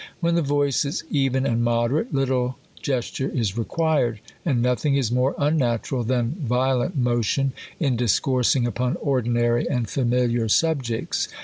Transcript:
When the voice is even and moderate, little gesture is required ; and nothing is more unnatural than violent motion, in discoursing upon ordinary and familiar subjects.